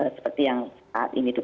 seperti yang saat ini